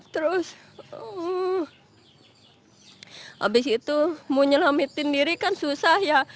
terus abis itu mau nyelamatin diri kan susah ya